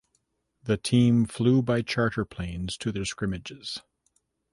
The team flew by charter planes to their scrimmages.